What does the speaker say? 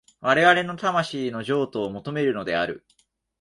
我々の魂の譲渡を求めるのである。